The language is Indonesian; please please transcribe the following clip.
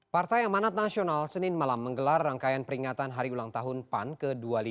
partai amanat nasional senin malam menggelar rangkaian peringatan hari ulang tahun pan ke dua puluh lima